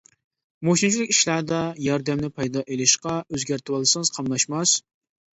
! مۇشۇنچىلىك ئىشلاردا ياردەمنى پايدا ئېلىشقا ئۆزگەرتىۋالسىڭىز قاملاشماس!